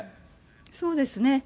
そうですね。